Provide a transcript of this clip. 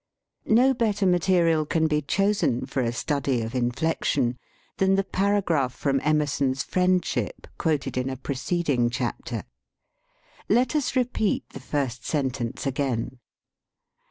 No better material can be chosen for a study of inflection than the paragraph from Emerson's "Friendship," quoted in a pre ceding chapter. Let us repeat the first sen tence again.